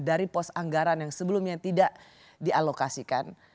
dari pos anggaran yang sebelumnya tidak dialokasikan